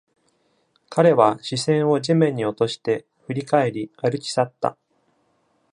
彼は視線を地面に落として、振り返り、歩き去った。